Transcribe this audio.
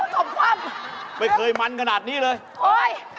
ตอบความไม่เคยมันขนาดนี้เลย